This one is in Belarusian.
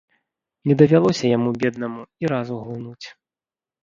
Не давялося яму, беднаму, і разу глынуць.